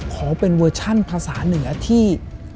ขอเป็นเวอร์ชั่นภาษาเหนือที่